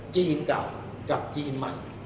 จีนเก่ากับจีนใหม่